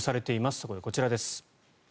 そこで、こちらです。